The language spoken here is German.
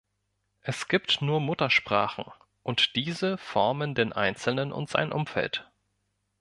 Es gibt nur Muttersprachen, und diese formen den Einzelnen und sein Umfeld.